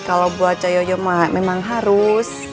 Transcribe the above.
kalo buat coyoyo memang harus